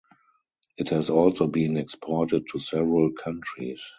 It has also been exported to several countries.